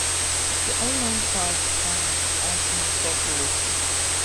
The island has an ageing population.